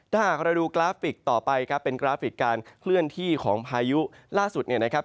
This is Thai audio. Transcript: ถ้าหากเราดูกราฟิกต่อไปครับเป็นกราฟิกการเคลื่อนที่ของพายุล่าสุดเนี่ยนะครับ